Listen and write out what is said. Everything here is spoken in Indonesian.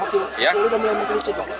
kalau sudah kita coba